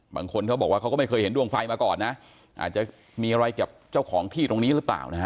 บางคนเขาบอกว่าเขาก็ไม่เคยเห็นดวงไฟมาก่อนนะอาจจะมีอะไรกับเจ้าของที่ตรงนี้หรือเปล่านะฮะ